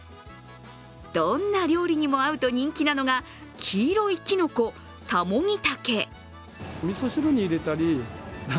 どんな料理にも合うと人気なのが黄色いきのこ、たもぎ茸。